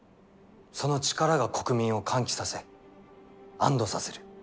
その力が国民を歓喜させ安堵させる。